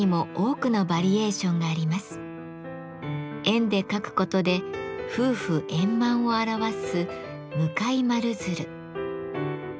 円で描くことで夫婦円満を表す「向かい丸鶴」。